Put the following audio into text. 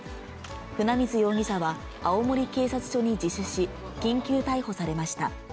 船水容疑者は青森警察署に自首し、緊急逮捕されました。